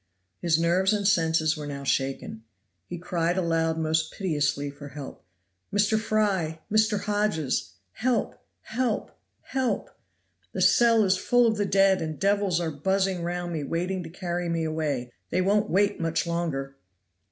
His nerves and senses were now shaken. He cried aloud most piteously for help. "Mr. Fry, Mr. Hodges, help! help! help! The cell is full of the dead, and devils are buzzing round me waiting to carry me away they won't wait much longer."